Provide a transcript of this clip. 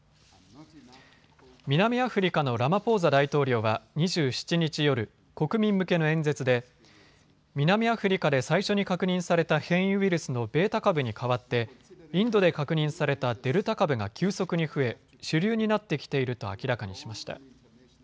南アフリカのラマポーザ大統領は２７日夜、国民向けの演説で南アフリカで最初に確認された変異ウイルスのベータ株に代わってインドで確認されたデルタ株が急速に増え主流になってきていると明らかにしました。